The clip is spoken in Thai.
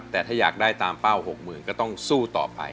แต่ถ้าอยากได้ตามเป้า๖๐๐๐ก็ต้องสู้ต่อไป